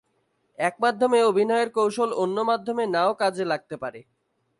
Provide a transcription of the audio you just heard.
এক মাধ্যমে অভিনয়ের কৌশল অন্য মাধ্যমে না-ও কাজে লাগতে পারে।